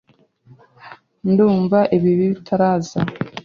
Ndumva ibibi bitaraza.